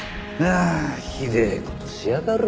ああひでえ事しやがる。